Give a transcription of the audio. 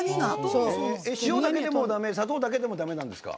塩だけでもだめ砂糖だけでもだめなんですか？